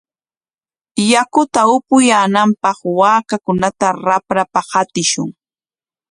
Yakuta apuyaananpaq waakakunata raqrapa qatishun.